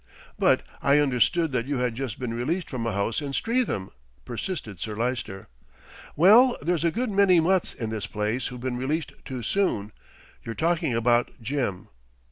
"But I understood that you had just been released from a house in Streatham," persisted Sir Lyster. "Well, there's a good many mutts in this place who've been released too soon. You're talking about Jim."